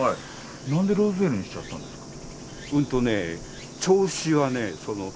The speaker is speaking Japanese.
何でロズウェルにしちゃったんですか？